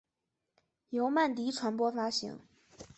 由曼迪传播发行。